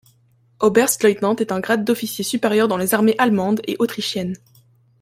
Oberstleutnant est un grade d’officier supérieur dans les armées allemande et autrichienne.